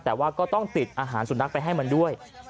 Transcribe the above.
แต่ว่าก็ต้องติดอาหารสุนัขไปให้มันด้วย